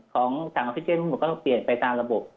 ของถังออกซิเจนทั้งหมดก็ต้องเปลี่ยนไปตามระบบ